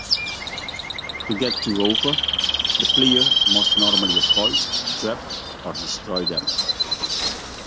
To get to Rover, the player must normally avoid, trap or destroy them.